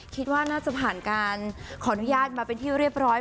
คิดว่าน่าจะผ่านการขออนุญาตมาเป็นที่เรียบร้อย